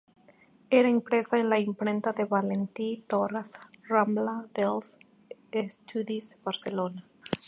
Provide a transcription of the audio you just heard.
Era impresa en la imprenta de Valentí Torras, Rambla dels Estudis, Barcelona.